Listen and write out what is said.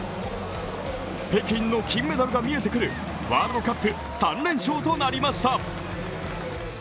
北京の金メダルが見えてくるワールドカップ３連勝となりました。